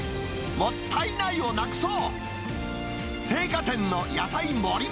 もったいないをなくそう！